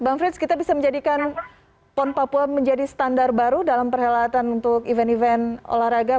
bang frits kita bisa menjadikan pon papua menjadi standar baru dalam perhelatan untuk event event olahraga